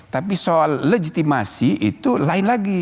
tapi soal legitimasi itu lain lagi